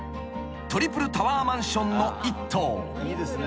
［トリプルタワーマンションの１棟］